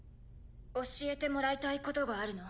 教えてもらいたいことがあるの。